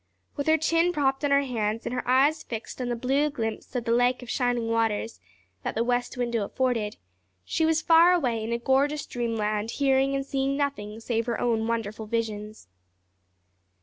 With her chin propped on her hands and her eyes fixed on the blue glimpse of the Lake of Shining Waters that the west window afforded, she was far away in a gorgeous dreamland hearing and seeing nothing save her own wonderful visions.